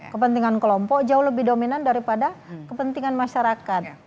kepentingan kelompok jauh lebih dominan daripada kepentingan masyarakat